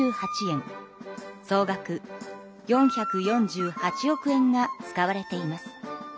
総額４４８億円が使われています。